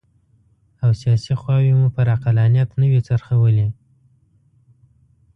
او سیاسي خواوې مو پر عقلانیت نه وي څرخولي.